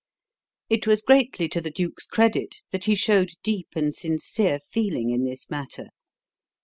It was greatly to the Duke's credit that he showed deep and sincere feeling in this matter.